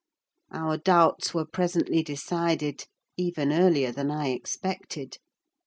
Our doubts were presently decided—even earlier than I expected.